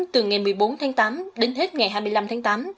từ ngày một mươi bốn tháng tám đến hết ngày hai mươi năm tháng tám